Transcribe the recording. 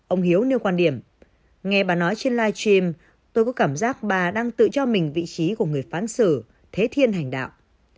ông hiếu nêu quan điểm nghe bà nói trên live stream tôi có cảm giác bà đang tự cho mình vị trí của người phán sử thế thiên hành đạo